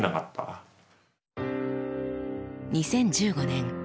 ２０１５年。